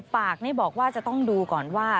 ปากนี่บอกว่าจะต้องดูก่อนว่า